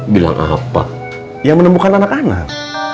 bilang apa yang menemukan anak anak